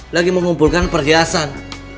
lagi mengumpulkan perhiasan